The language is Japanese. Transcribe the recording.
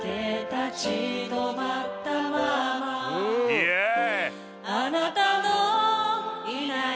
イエイ！